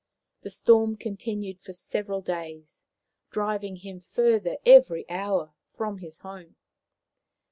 The storm continued for several days, driving him further every hour from his home.